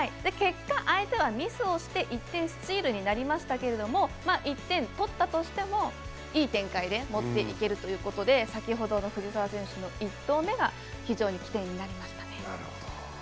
結果、相手はミスをして１点スチールになりましたけど１点、取ったとしてもいい展開で持っていけるということで先ほどの藤澤選手の１投目が非常に起点になりましたね。